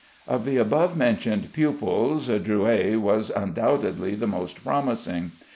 Of the above mentioned pupils Drouais was undoubtedly the most promising.